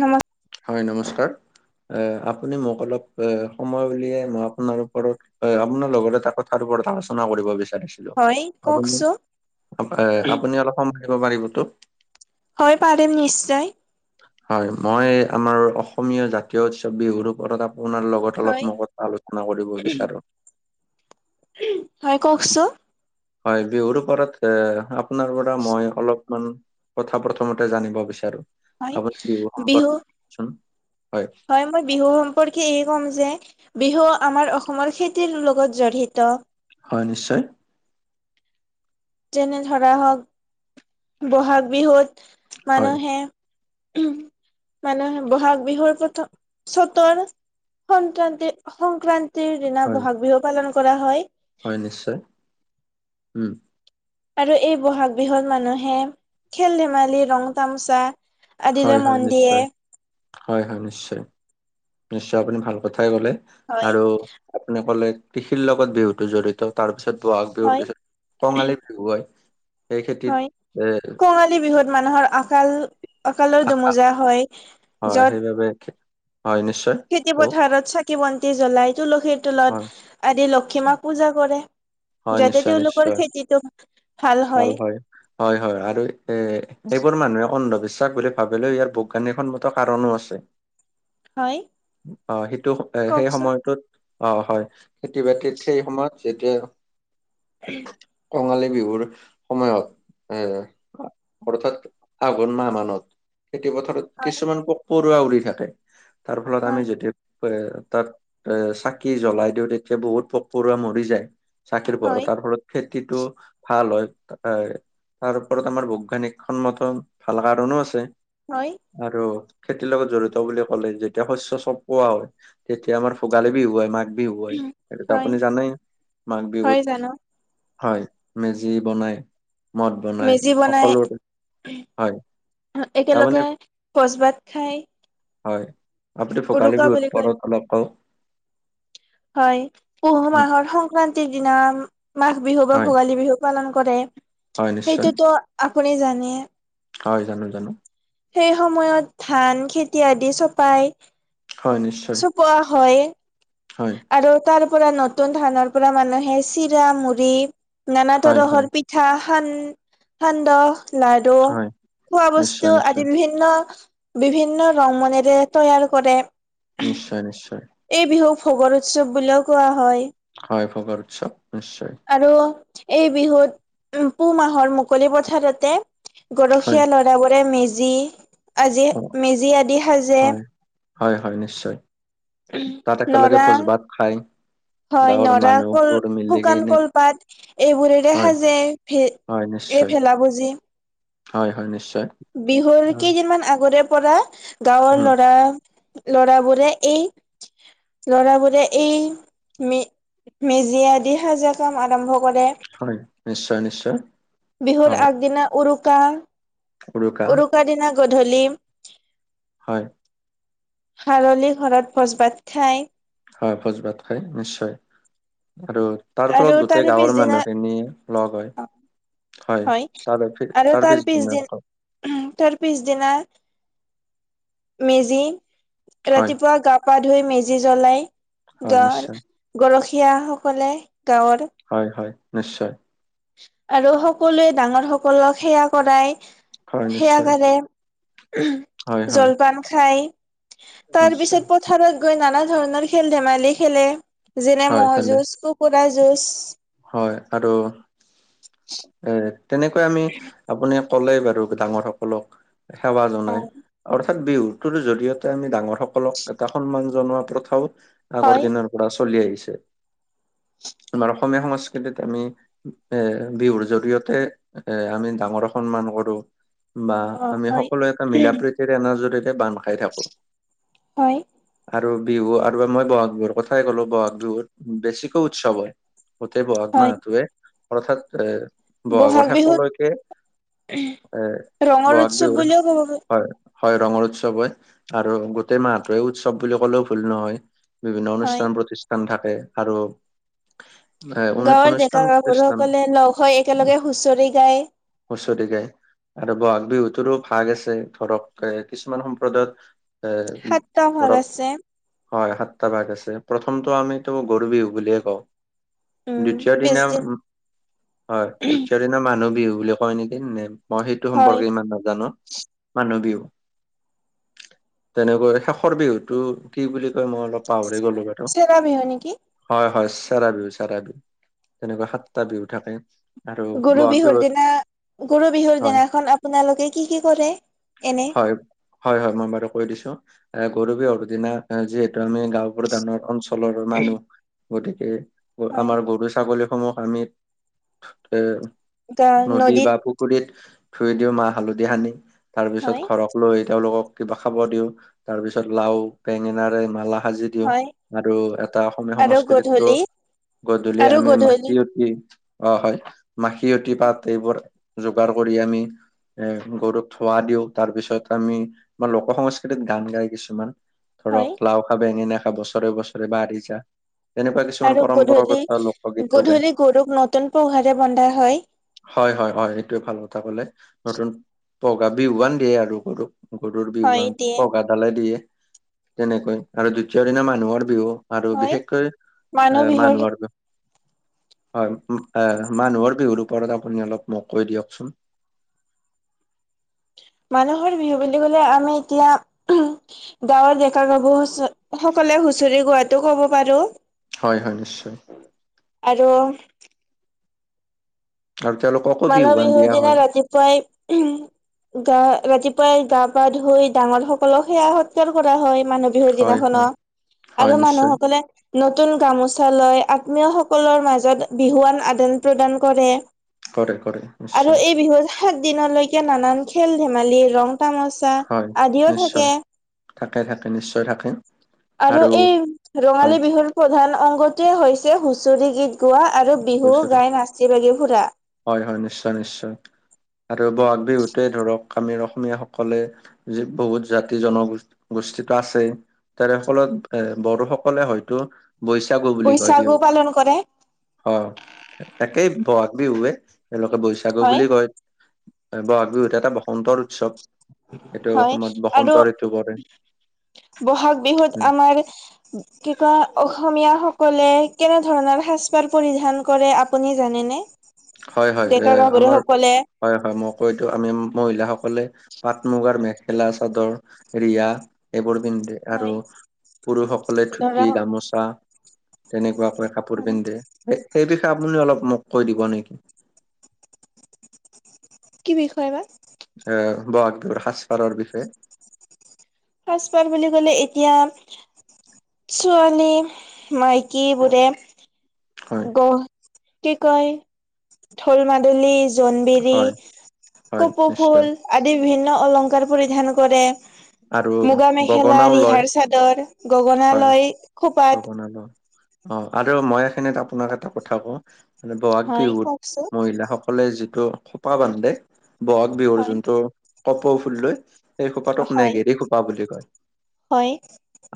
নমস্ক হয় নমস্কাৰ। আপুনি মোক অলপ সময় উুলিয়াই মই আপোনাৰ ওপৰত হয় আপোনাৰ লগতে তাক কথাৰ ওপৰত আলোচনা কৰিব বিচাৰিছোঁ। হয় হেল্ল' কওকচোন এ, আপুনি অলপ সময় দিব পাৰিবতো? হয়, পাৰিম নিশ্চয়। হয় মই আমাৰ অসমীয়া জাতীয় উৎসৱ বিহুৰ ওপৰত আপোনাৰ লগত হয় অলপমান কথা আলোচনা কৰিব বিচাৰো। হয় কওকচোন হয়, বিহুৰ ওপৰত এ আপোনাৰ পৰা মই অলপ কেইটামান কথা প্ৰথমতে জানিব বিচাৰো। হয় আপুনি বিহু সম্পৰ্ক চোন, হয়। হয় মই বিহু সম্পৰ্কে এই ক'ম যে, বিহু আমাৰ অসমৰ খেতিৰ লগত জড়িত। হয় নিশ্চয়। যেনে ধৰা হওক বহাগ বিহুত হয় মানুহে উম। মানুহে বহাগ বিহুৰ প্ৰথম, চতৰ সক্ৰান্ত-সংক্ৰান্তি দিনা হয় ব'হাগ বিহু পালন কৰা হয়। হয় নিশ্চয় উম'। আৰু এই বহাগ বিহুত মানুহে খেল-ধেমালি, ৰং- তামোচা হয় হয় নিশ্চয়। হয় হয় নিশ্চয়, নিশ্চয় আপুনি ভাল কথাই কলে। হয় আৰু আপুনি ক'লে কৃষিৰ লগত বিহুতো জড়িত। তাৰ পিছত বহাগ বিহুৰ হয় পিছত কঙালী বিহু আহি হয় কঙালী বিহুত মানুহৰ আকাল আকালৰ আশা দমোজা হয়, য'ত [unintelligible] হয় নিশ্চয়। কওক খেতি-পথাৰত চাকি-বন্তি জ্বলাই, তুলসীৰ হয় তলত আদি লক্ষিমাক পূজা কৰে, হয় যাতে নিশ্চয় তেওঁলোকৰ নিশ্চয় খেতিতটো ভাল হয়। হয় হয় আৰু এ-এইবোৰ মানুহে অন্ধবিশ্বাস বুলি ভাবিলেও ইয়াৰ বৈজ্ঞানিকসন্মত কাৰণো আছে। হয়। অ সেইটো, সেই কওকচোন সময়টোত অ হয় খেতি-বাতিত সেই সময়ত যেতিয়া [inaudible] কঙালী বিহুৰ সময়ত এ অৰ্থাৎ আঘোণ মাহ মানত। খেতি-পথাৰত হয় কিছুমান পোক-পৰুৱা উৰি থাকে, তাৰ ফলত হয় আমি যদি তাত এ চাকি জ্বলাই দিও তেতিয়া বহুত পোক-পৰুৱা মৰি যায়। চাকিৰ পোহৰত, হয় তাৰ ফলত খেতিটো ভাল হয় তাৰ ওপৰত আমাৰ বৈজ্ঞানিকসন্মত ভাল কাৰণো আছে। হয়। আৰু খেতিৰ লগত জড়িত বুলি ক'লে যেতিয়া শস্য চপোৱা হয় তেতিয়া আমাৰ ভোগালী বিহু হয়, মাঘ বিহু হয়। সেইটো হয় আপুনি জানে। মাঘ হয় বিহুত জানো হয়, মেজি বনাই মদ বনাই মেজি বনাই সকলোৰে, হয়। আপুনি একেলগে ভোজ-ভাত খায়। হয় আপুনি ভোগালী বুলি বিহুৰ কয় ওপৰত অলপ কওঁক। হয় পুহু উম, মাহৰ সংক্ৰান্তিৰ দিনা মাঘ বিহু বা হয়, ভোগালী বিহু পালন কৰে। হয়, নিশ্চয়। সেইটোতো আপুনি জানে। হয় জানো জানো। সেই সময়ত ধান খেতি আদি চপায়। হয় নিশ্চয় হয়। আৰু তাৰ পৰা নতুন ধানৰ পৰা মানুহে চিৰা, মুড়ি নানা হয়, তৰহৰ হয়, পি পিঠা, সান-সান্দহ, লাডু হয়, খোৱা নিশ্চয়, বস্তু নিশ্চয়, আদি বিভিন্ন বিভিন্ন ৰমনেৰে তৈয়াৰ কৰে। নিশ্চয় নিশ্চয়। এই বিহুক ভোগৰ উৎসৱ বুলিও কোৱা হয়। হয়, ভোগৰ উৎসৱ নিশ্চয়। আৰু এই বিহুত পুহ মাহৰ মুকলি পথাৰতে হয়, গৰখীয়া লৰা তাৰপৰে মেজি আজি অ', মেজি আদি সাজে। হয়, হয়, হয় নিশ্চয় তাত একেলগে নৰা ভোজ ভাত খায়। হয় নৰা কল শুকান কলপাত এইবোৰেৰে হয়, সাজে। হয়, নিশ্চয়। এই ভেলাাপুজি। হয়, হয় নিশ্চয়। বিহুৰ অ, কেইদিনমান আগৰে পৰা গাঁৱৰ উম, ল'ৰা ল'ৰাবোৰে এই ল'ৰাবোৰে এই মে মেজি আদি সাজা কাম আৰম্ভ কৰে। হয় নিশ্চয় নিশ্চয়। বিহুৰ অ', আগদিনা উৰুকা উৰুকা উৰুকাৰ দিনা গধূলি হয়। খাৰলি ঘৰত ভোজ ভাত খায়। হয় ভোজ ভাত খাই নিশ্চয় আৰু তাৰ আৰু ফলত গোটেই তাৰে গাঁৱৰ পিছদিনা মানুহখিনিয়ে লগ হয়। হয় ত আৰু তাৰ পিছ পিছদিন ধখ তাৰ পিছদিনা মেজি হয় ৰাতিপুৱা গা পা ধুই মেজি জ্বলাই হয় গা নিশ্চয় গৰখীয়াসকলে গাঁৱৰ। হয়, হয় নিশ্চয়। আৰু সকলোৱে ডাঙৰ সকলক সেৱা কৰাই। হয় সেইয়া নিশ্চয় কাৰে হয় হয় জলপান খাই তাৰ নিশ্চয় পিছত পথাৰত গৈ নানা ধৰণৰ খেল ধেমালি খেলে। যেনে হয় ম'হ' ভালে যুঁজ, কুকুৰা যুঁজ। হয় আৰু এ তেনেকৈ আমি আপুনি ক'লে বাৰু ডাঙৰ সকলক সেৱা অ জনাই। অৰ্থাৎ বিহুতৰ জৰিয়তে আমি ডাঙৰ সকলক এটা সন্মান জনোৱা প্ৰথাও আগৰ হয় দিনৰ পৰা চলি আহিছে, আমাৰ অসমীয়া সংস্কৃতিত আমি এ বিহুৰ জৰিয়তে এ আমি ডাঙৰক সন্মান কৰো। বা অ আমি হয় সকলো এটা মিলা প্ৰীতিৰে এনাজৰিৰে বান্ধ খাই থাকো। হয় আৰু বিহু আৰু মই বহাগ বিহুৰ কথাই ক'লো বহাগ বিহুত বেছিকৈ উৎসৱ হয়। গোটেই বহাগ হয় মাহাতোৱে অৰ্থাৎ এ বহাগৰ বহাগ বিহুত শেষলৈকে এৰ ৰঙৰ বহাগ উৎসৱ বিহু বুলিও ক'ব পাৰি হয়। হয় ৰঙৰ উৎসৱ হয়। ম, আৰু গোটেই মাহটোৱে উৎসৱ বুলি ক'লেও ভুল নহয়। বিভিন্ন অনুষ্ঠা, হয় প্ৰতিষ্ঠান থাকে আৰু এ অনু গাঁৱৰ অনুষ্ঠান ডেকা প্ৰতিষ্ঠান গাভৰুসকলে লগ হৈ একেলগে হুঁচৰি গায়। হুচৰি গায়। আৰু বহাগ বিহুতৰো ভাগ আছে, ধৰক এ কিছুমান সম্প্ৰদায়ত সাতটা ভাগ [unintelligible] আছে হয় সাতটা ভাগ আছে প্ৰথমটো আমিতো গৰুবিহু বুলিয়ে কওঁ। উম দ্বিতীয় দিনা পিছদিনা হয় দ্বিতীয় দিনা মানুহ বিহু বুলি কয় নেকি? মই সেইটো হয় সম্পৰ্কে ইমান নাজানো। মানুহ বিহু। তেনেকৈ শেষৰ বিহুতটো কি বুলি কয় মই অলপ পাহৰি গ'লো বাৰু চেৰা বিহু হয় নেকি? হয়, হয় চেৰা বিহু চেৰা বিহু তেনেকুৱা সাতটা বিহু থাকে। আৰু গৰু বহাগ বিহুৰ বিহুত দিনা গৰু বিহুৰ হয় দিনাখন আপোনালোকে কি কি কৰে এনে? হয়, হয় হয় মই বাৰু কৈ দিছো এ গৰু বিহুৰ দিনা যিহেতু আমি গাঁও প্ৰধানৰ অঞ্চ অঞ্চলৰ মানুহ গতিকে হয় আমাৰ গৰু ছাগলীসমূহ আমি গা নদী নদীত বা পুখুৰীত ধুই দিওঁ মাহ হালধি সানি। তাৰপিছত হয় ঘৰক লৈ তেওঁলোকক কিবা খাব দিওঁ তাৰ পিছত লাও বেঙেনাৰে মালা সাজি দিওঁ হয়। আৰু এটা অসমীয়া আৰু সংস্কৃতিতটো গধূলি গধূলি আৰু আমি গধূলি মাটি অ', হয় মাখিয়তী পাত এইবোৰ যোগাৰ কৰি আমি এ গৰুক ধোৱা দিওঁ তাৰ পিছত আমি আমাৰ লোক সংস্কৃতিত গান গায় কিছুমান। হয় ধৰক লাও খা বেঙেনা খা বছৰে বছৰে বাঢ়ি যা তেনেকুৱা কিছুমান আৰু গধূলি পৰম্পৰাগত লোকগীতো গায় গধূলি গৰুক নতুন পঘাৰে বন্ধা হয়। হয় হয় হয় এইটোয়ে ভাল কথা কলে নতুন পঘা বিহুৱান দিয়ে আৰু গৰুক। গৰুৰ বিহু হয় বা দিয়ে পঘা দালে দিয়ে তেনেকৈ আৰু দ্বিতীয় দিনা মানুহৰ বিহু আৰু হয় বিশেষকৈ মানুহ এ বিহুৰ মানুহৰ হয় মানুহৰ বিহুৰ ওপৰত আপুনি অলপ মোক কৈ দিয়কচোন। মানুহৰ বিহু বুলি ক'লে আমি এতিয়া গাঁৱৰ ডেকা গাভৰু সকলে হুঁচৰি গোৱাটো কব পাৰো। হয় হয় নিশ্চয়। আৰু আৰু তেওঁলোকক মানুহ বিহুৰ দিনা ৰাতিপুৱাই গা ৰাতিপুৱাই গা পা ধুই ডাঙৰ সকলক সেৱা সৎকাৰ কৰা হয় মানুহ বিহুৰ হয় দিনাখনত হয় হয় আৰু নিশ্চয় মানুহসকলে নতুন গামোচা লৈ আত্মীয় সকলৰ মাজত বিহুৱান আদান প্ৰদান কৰে। কৰে কৰে। আৰু নিশ্চয় এই বিহুত সাত দিনলৈকে নানান খেল ধেমালি ৰং তামাচা হয় আদিও নিশ্চয় থাকে। থাকে থাকে নিশ্চয় থাকে। আৰু এই হয় ৰঙালী বিহুৰ প্ৰধান অংগটোৱে হৈছে হুচৰি গীত গোৱা আৰু বিহু বছৰে গাই নাচি বাগি ফুৰা। হয় হয় নিশ্চয় নিশ্চয় আৰু বহাগ বিহুতেই ধৰক আমী অসমীয়াসকলে যি বহুত জাতি জন গোষ্ঠীটো আছেই। তোৰ ফলত এ বড়োসকলে হয়তো বৈ চাগু বুলি কয় বৈশাগু বিহু পালন কৰে অ', একেই বহাগ বিহুৱে। তেওঁলোকে বৈশাগু হয় বুলি কয় বহাগ বিহুত এটা বসন্তৰ উৎসৱ। এইটো হয় অসমত বসন্ত আৰু ঋতু কৰে। বহাগ বিহুত আমাৰ কি কয় অসমীয়াসকলে কেনে ধৰণৰ সাজ পাৰ পৰিধান কৰে আপুনি জানেনে? হয় হয় এ ডেকা গাভৰু আমাৰ সকলে। হয় হয় মই কৈ দিো আমি মহিলাসকলে পাট মুগাৰ মেখেলা চাদৰ ৰিহা এইবোৰ পিন্ধে আৰু হয় পুৰুষসকলে ধুতি ধৰা গামোচা তেনেকুৱা কাপোৰ হয় পিন্ধে সেই বিষয়ে আপুনি অলপ মোক কৈ দিব নেকি। কি বিষয় বা? আহ বহাগবিহুৰ সাজ পাৰৰ বিষয়ে। সাজপাৰ বুলি কলে এতিয়া ছোৱালী মাইকী বোৰে হয় গ কি কয় ঢোল মাদুলি জোনবিৰি, হয় হয় কপৌ নিশ্চয় ফুল, আদি বিভিন্ন অলংকাৰ পৰিধান কৰে। আৰু মুগা মেখেলা, গগনাও লয় ৰিহাৰ চাদৰ, গগনাা হয় লয় খোপাত। [unintelligible] অ', আৰু মই এখিনত আপোনাক এটা কথা কওঁ, বহাগ হয় বিহুত কওকচোন মহিলা সক সকলে যিটো খোপা বান্ধে, বহাগ বিহুৰ হয় যোনটো কপৌ ফুল লৈ সেই খোপাটোক হয় নেগেৰি খোপা বুলি কয়। হয়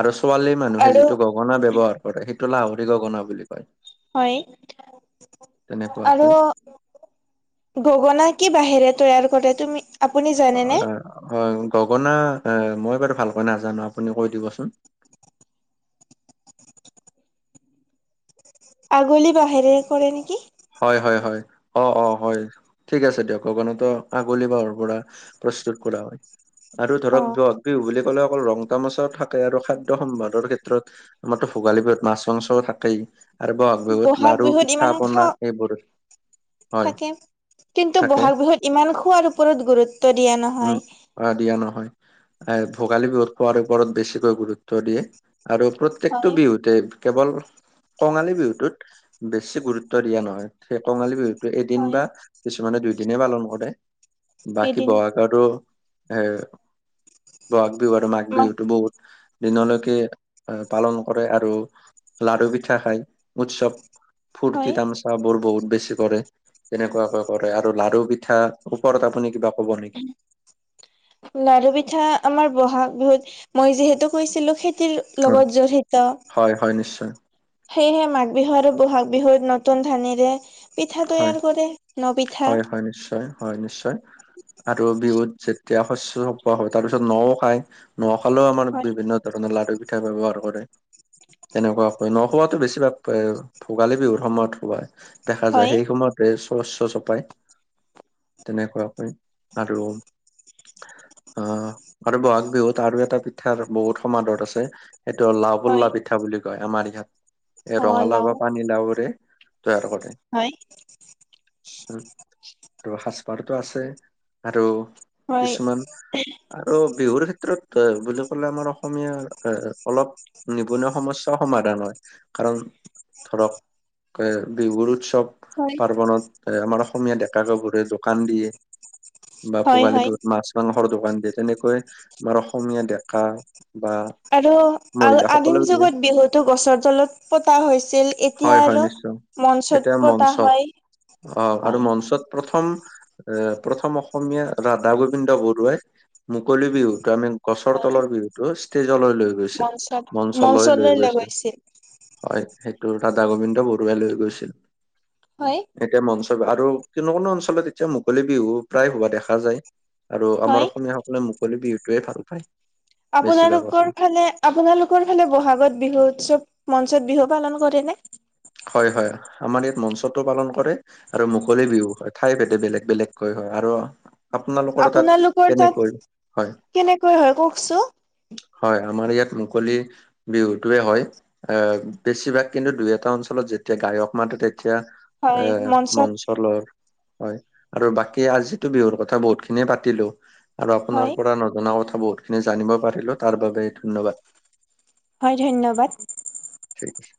আৰু ছোৱালীৰ মানুহে আৰু যিটো গ গনা ব্যৱহাৰ কৰে, সেইটো লাহৰি গগনা বুলি কয়। হয়। আৰু তেনেকুৱাকৈ গগনা কি বাহেৰে তৈয়াৰ কৰে তুমি আপুনি জানেনে? গগনা মই বাৰু ভালকৈ নাজানো আপুনি কৈ দিবচোন? আগলি বাহেৰে কৰে নেকি? হয় হয় হয়। অ', অ' হয়। ঠিক আছে দিয়ক গগনাতো আগলি বাহৰ পৰা প্ৰস্তুত কৰা হয়। আৰু ধৰক অ' যক বিহু বুলি ক'লে অকল ৰং তামাচাও থাকে আৰু খাদ্য সম্ভাদৰ ক্ষেত্ৰত আমাৰতো ভোগালী বিহুত মাছ মাংসও থাকেই। আৰু বহাগ বিহুত লাাৰু বিহুত পিঠা ইমান পনা খাওঁ বৰ থাকে কিন্তু, থাকে বহাগ বিহুত ইমান খোৱাৰ ওপৰত গুৰুত্ব দিয়া উম নহয়। দিয়া নহয়, এ ভোগালী বিহুত খোৱাৰ ওপৰত বেছিকৈ গুৰুত্ব দিয়ে। আৰু প্ৰত্যেকটো হয় বিহুতে কেৱল কঙালী বিহুতোত বেছি গুৰুত্ব দিয়া নহয়। সেই কঙালী বিহুত এদিন হয় বা কিছুমানে দুইদিনে পালন কৰে। বাকী এদিন বহাগতো সে বহাগ বিহু আৰু মাঘ বিহুতো বহুত দিনলৈকে পালন কৰে। আৰু লাৰু পিঠা খায় উৎসৱ ফুৰ্তি হয় তাম চ বোৰ বহুত বেছি কৰে তেনেকুৱাকে কৰে, আৰু লাাৰু পিঠা ওপৰত আপুনি কিবা ক'ব নেকি? লাৰু পিঠা আমাৰ বহাগ বিহুত মই যিহেতু কৈছিলো খেতিৰ লগত জড়িত। হয়, হয়, নিশ্চয়। সেয়হে মাঘ বিহু আৰু বহাগ বিহুত নতুন ধানেৰে পিঠা হয় তৈয়াৰ কৰে ন পিঠা। হয় হয় নিশ্চয়। হয় নিশ্চয়। আৰু বিহুত যেতিয়া শস্য চপোৱা হয় তাৰপিছত নও খায়। নখালেও আমাৰ হয় বিভিন্ন ধৰণৰ লাৰু পিঠা ব্যৱহাৰ কৰে। তেনেকুৱা হয়। ন খোৱাাতো বেছিভাগ এ ভোগালী বিহুৰ সময়ত হোৱা দেখা যায়। হয় সেই প্ৰমতে শস্য চপাই তেনেকুৱাকৈ আৰু অ', আৰু বহাগ বিহুত আৰু এটা পিঠাৰ বহুত সমাদৰ আছে। এইটো হ'ল লাও হয় পুল্লা পিঠা বুলি কয় আমাৰ ইয়াত। এই অ ৰঙালাও লাও বা পানীলাওৰে তৈয়াৰ কৰে। হয়। আৰু সাজপাৰতো আছে আৰু হয় কিছুমান আৰু বিহুৰ ক্ষেত্ৰত বুলি ক'লে আমাৰ অসমীয়া এ অলপ নিবনুৱা সমস্যা সমাধান হয়। কাৰণ ধৰক বিহুৰ উৎসৱ হয়। জনত আমাৰ অসমীয়া ডেকা গাভৰুৱে দোকান দিয়ে। বা হয় ভোগালী হয় বিহুত মাছ মাংসৰ দোকান দিয়ে। তেনেকৈ আমাৰ অসমীয়া ডেকা বা আৰু-আৰু আদিম মহিলাসকলেও দিয়ে যুগত বিহুতো গছৰ তলত পতা হৈছিল। এতিয়া হয় হয় আৰু নিশ্চয় মঞ্চত পতা হয়। অ', আৰু হয় মঞ্চত প্ৰথম এ প্ৰথম অসমীয়া ৰাধা গোবিন্দ বৰুৱাই মুকললি বিহু তো আমি গছৰ তলৰ বিহুতটো ষ্টেজলৈ লৈ গৈছিল। মঞ্চলৈ লৈ গৈছিল। হয় সেইটো ৰাধা গোবিন্দ বৰুৱাই লৈ গৈছিল। হয়। এতিয়া মঞ্চ আৰু কোনো কোনো অঞ্চলত এতিয়া মুকলি বিহু প্ৰায় হোৱা দেখা যায়। আৰু আমাৰ হয় অসমীয়াসকলে মুকলি বিহুটোৱে ভাল পায়। বেছিভাগ আপোনালোকৰ ফালে আপোনালোকৰ ফালে বহাগত বিহু উৎসৱ মঞ্চত বিহু পালন কৰেনে? হয়-হয় আমাৰ ইয়াত মঞ্চটো পালন কৰে, আৰু মুকলি বিহু হয়। ঠাই ভেদে বেলেগ বেলেগকৈ হয়। আৰু আপোনালোকৰ তাত আপোনালোকৰ তাত কেনেকৈ হয়। কেনেকৈ হয় কওকচোন হয়, আমাৰ ইয়াত মুকলি বিহুতয়ে হয়, বেছিভাগ কিন্তু দুই এটা অঞ্চল যেতিয়া গায়ক মাতো তেতিয়া এ হয় ম মঞ্চত লৰ হয়, আৰু বাকী আজিতো বিহুৰ কথা বহুত খিনিয় পাতিলো আৰু আপোনাৰ হয় পৰা নজনা কথা বহুতখিনি জানিব পাৰিলোঁ। তাৰ বাবে ধন্যবাদ। হয় ধন্যবাদ। ঠিক আছে।